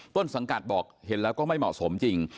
ต้นสังกัดบอกเห็นแล้วก็ไม่เหมาะสมจริง